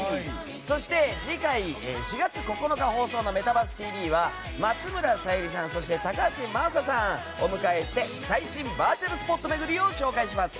そして、次回４月９日放送の「メタバースＴＶ！！」は松村沙友理さん、高橋真麻さんをお迎えして最新バーチャルスポット巡りを紹介します。